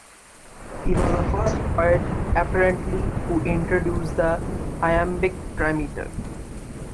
He was the first poet, apparently, who introduced the iambic trimeter.